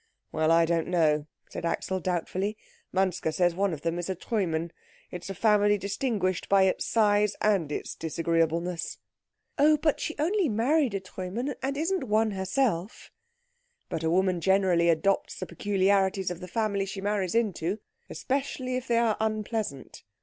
"Well, I don't know," said Axel doubtfully. "Manske says one of them is a Treumann. It is a family distinguished by its size and its disagreeableness." "Oh, but she only married a Treumann, and isn't one herself." "But a woman generally adopts the peculiarities of the family she marries into, especially if they are unpleasant."